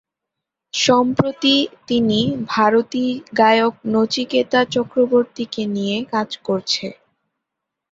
সম্প্রতি তিনি ভারতী গায়ক নচিকেতা চক্রবর্তী কে নিয়ে কাজ করছে।